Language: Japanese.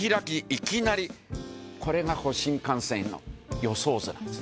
いきなりこれが新幹線の予想図なんです。